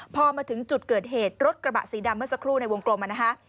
พอมาถึงจุดเกิดเหตุรถกระบะสีดำเมื่อสักครู่ในวงกลมนะคะ